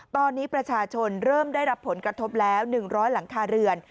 ตอนนี้ประชาชนเริ่มได้รับผลกระทบแล้ว๑๐๐หลังคาเรือน